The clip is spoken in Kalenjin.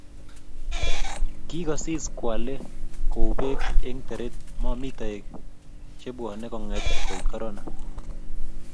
kikosis kwale ko u pek eng teret makomi taek chebwane konget koit korona